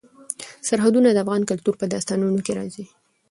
سرحدونه د افغان کلتور په داستانونو کې راځي.